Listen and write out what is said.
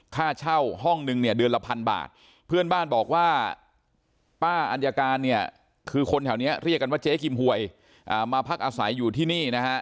ค่าเช่าห้องนึงเนี่ยเดือนละพันบาทเพื่อนบ้านบอกว่าป้าอัญญาการเนี่ยคือคนแถวนี้เรียกกันว่าเจ๊กิมหวยมาพักอาศัยอยู่ที่นี่นะฮะ